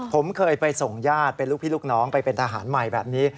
ผมเคยไปส่งญาติเป็นลูกพี่ลูกน้องไปเป็นทหารใหม่แบบนี้